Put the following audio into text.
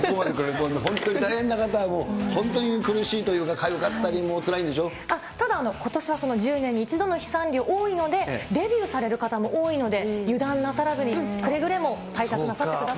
本当に大変な方、本当に苦しいとか、かゆかったりとか、ただ、ことしは１０年に１度の飛散量多いので、デビューされる方も多いので、油断なさらずにくれぐれも対策なさってください。